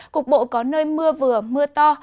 cục bộ có nơi mưa vừa mưa to